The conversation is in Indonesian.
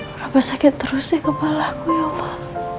berapa sakit terus ya kepalaku ya allah